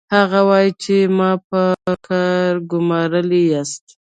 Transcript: هغه وايي چې ما په کار ګومارلي یاست